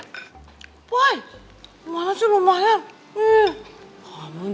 lebih cantiknya ya boy malah lumayan